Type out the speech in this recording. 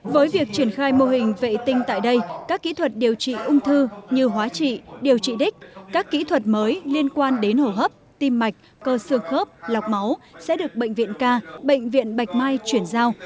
với việc triển khai mô hình vệ tinh tại đây các kỹ thuật điều trị ung thư như hóa trị điều trị đích các kỹ thuật mới liên quan đến hồ hấp tim mạch cơ sương khớp lọc máu sẽ được bệnh viện ca bệnh viện bạch mai chuyển giao